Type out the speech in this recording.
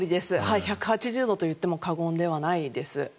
１８０度と言っても過言ではないです。